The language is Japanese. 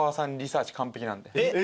えっ？